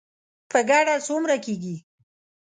په ګډه څومره کیږي؟